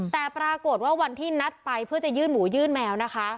แต่ปรากฏว่าวันที่นัดไปเพื่อจะยื่นหมูยื่นแมวนะคะ